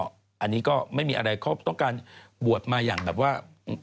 อันนี้ก็ไม่มีอะไรเขาต้องการบวชมาอย่างแบบว่า